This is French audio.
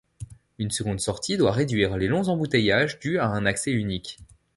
Une seconde sortie doit réduire les longs embouteillages dus à un accès unique.